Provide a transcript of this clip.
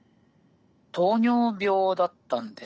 糖尿病だったんです。